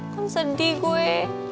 kan sedih gue